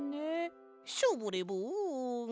ショボレボン。